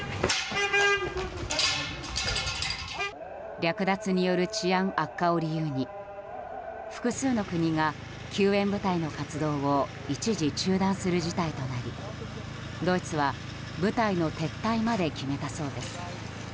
略奪による治安悪化を理由に複数の国が救援部隊の活動を一時中断する事態となりドイツは部隊の撤退まで決めたそうです。